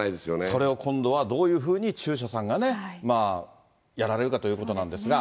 それを今度はどういうふうに中車さんがね、やられるかということなんですが。